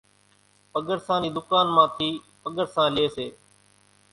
پڳرسان نِي ڌُڪان مان ٿِي پڳرسان لئي سي۔